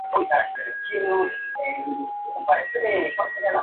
Al tercer día en el mar fue descubierto.